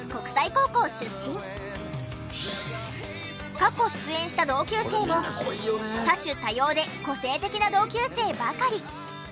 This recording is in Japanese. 過去出演した同級生も多種多様で個性的な同級生ばかり。